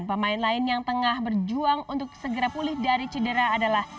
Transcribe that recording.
pemain lain yang tengah berjuang untuk segera pulih dari cedera adalah